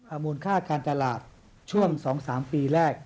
มูลค่าการตลาดช่วง๒๓ปีแรก